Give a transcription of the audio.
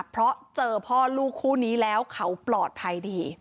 เพราะเจอพ่อลูกคู่นี้แล้วเขาปลอดภัยดี